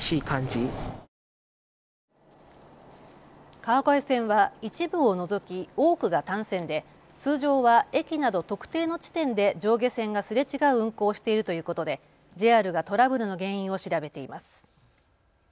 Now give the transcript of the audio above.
川越線は一部を除き多くが単線で通常は駅など特定の地点で上下線がすれ違う運行をしているということでＪＲがトラブルの原因を調べています。